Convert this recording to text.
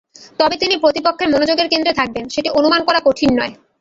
তবে তিনি প্রতিপক্ষের মনোযোগের কেন্দ্রে থাকবেন, সেটি অনুমান করা কঠিন নয়।